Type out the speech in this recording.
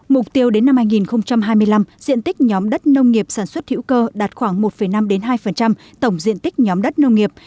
mục tiêu đến năm hai nghìn hai mươi năm diện tích nhóm đất nông nghiệp sản xuất hữu cơ đạt khoảng một năm hai tổng diện tích nhóm đất nông nghiệp